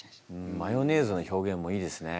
マヨネーズの表現もいいですね。